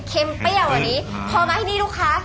เปรี้ยวกว่านี้พอมาที่นี่ลูกค้า